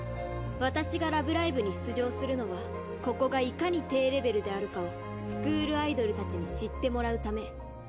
「私が『ラブライブ！』に出場するのはここがいかに低レベルであるかをスクールアイドルたちに知ってもらうため。